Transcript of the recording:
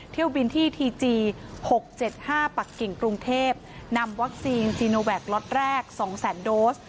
เที่ยวบินที่ทีจีห์หกเจ็ดห้าปะกิ่งกรุงเทพฯนำวัคซีนจีโนแบคล็อตแรกสองแสนโดส